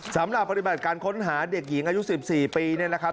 สำหรับปฏิบัติการค้นหาเด็กหญิงอายุ๑๔ปีนี่แหละครับ